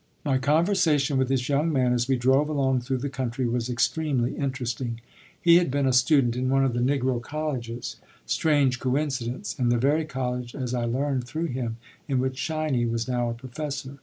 My conversation with this young man as we drove along through the country was extremely interesting. He had been a student in one of the Negro colleges strange coincidence, in the very college, as I learned through him, in which "Shiny" was now a professor.